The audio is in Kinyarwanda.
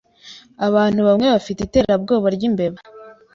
Abantu bamwe bafite iterabwoba ryimbeba.